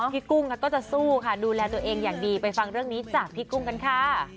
กุ้งก็จะสู้ค่ะดูแลตัวเองอย่างดีไปฟังเรื่องนี้จากพี่กุ้งกันค่ะ